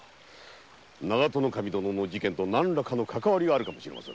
長門守殿の事件とかかわりあるかもしれません。